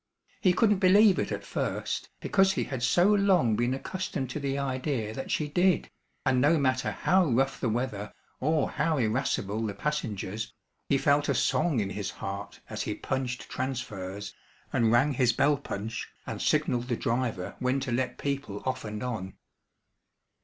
He couldn't believe it at first, because he had so long been accustomed to the idea that she did, and no matter how rough the weather or how irascible the passengers, he felt a song in his heart as he punched transfers, and rang his bell punch, and signalled the driver when to let people off and on.